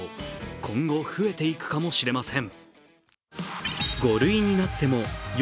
今後、増えていくかもしれません。